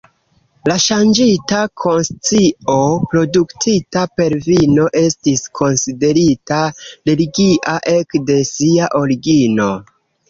La ŝanĝita konscio produktita per vino estis konsiderita religia ekde sia origino.